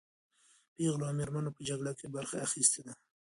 پېغلو او مېرمنو په جګړه کې برخه اخیستې ده.